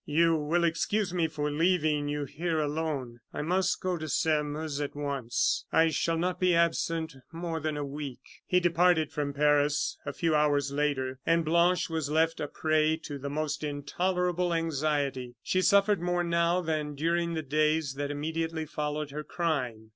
You will excuse me for leaving you here alone. I must go to Sairmeuse at once. I shall not be absent more than a week." He departed from Paris a few hours later, and Blanche was left a prey to the most intolerable anxiety. She suffered more now than during the days that immediately followed her crime.